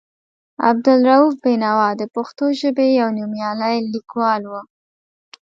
عبدالرؤف بېنوا د پښتو ژبې یو نومیالی لیکوال و.